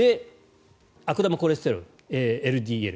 悪玉コレステロール・ＬＤＬ。